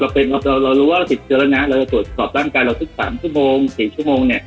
เรารู้ว่าเราติดเชื้อแล้วนะเราจะตรวจสอบร่างกายเราสัก๓ชั่วโมง๔ชั่วโมงเนี่ย